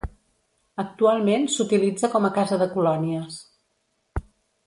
Actualment s'utilitza com a casa de colònies.